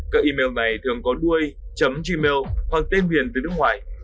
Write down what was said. các email này thường có đuôi chấm gmail hoặc tên viền từ nước ngoài